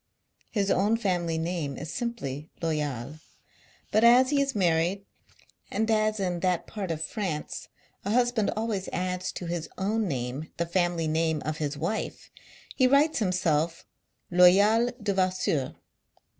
His own family name is simply Loyal ; but, as he is married, and as in that part of France a husband always adds to his own name the family name ot his wife, he writes himself Loyal Devasseur.